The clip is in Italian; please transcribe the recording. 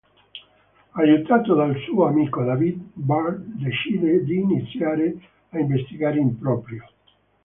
Aiutato dal suo amico David, Bart decide di iniziare a investigare in proprio.